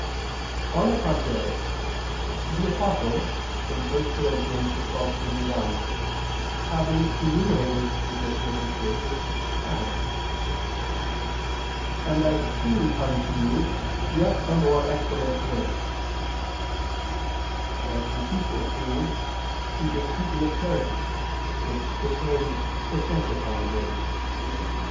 On the contrary, The Apostle (1 Cor. 12:31), having enumerated the gratuitous graces, adds: "And I shew unto you yet a more excellent way"; and as the sequel proves he is speaking of charity, which pertains to sanctifying grace.